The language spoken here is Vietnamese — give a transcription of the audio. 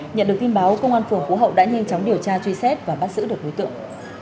nhận được tin báo công an phường phú hậu đã nhanh chóng điều tra truy xét và bắt giữ được đối tượng